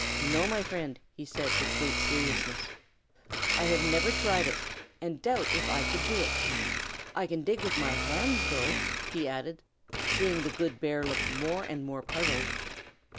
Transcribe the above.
"No, my friend," he said with great seriousness, "I have never tried it, and doubt if I could do it. I can dig with my hands, though," he added, seeing the good bear look more and more puzzled.